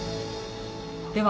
では